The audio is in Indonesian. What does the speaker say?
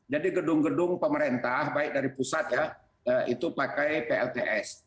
jadi gedung gedung pemerintah baik dari pusat ya itu pakai plts